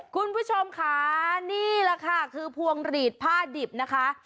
คุณผู้ชมค่ะนี่แหละค่ะคือพวงหลีดผ้าดิบนะคะ